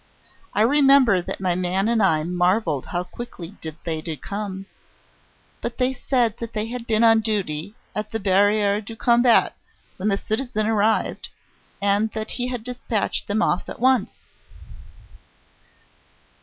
I remember that my man and I marvelled how quickly they did come, but they said that they had been on duty at the Barriere du Combat when the citizen arrived, and that he had dispatched them off at once.